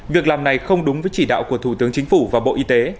việc làm này không đúng với chỉ đạo của thủ tướng chính phủ và bộ y tế